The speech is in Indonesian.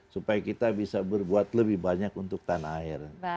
supaya kita bisa berbuat lebih banyak untuk tanah air